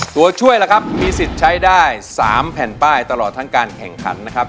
ตัวช่วยล่ะครับมีสิทธิ์ใช้ได้๓แผ่นป้ายตลอดทั้งการแข่งขันนะครับ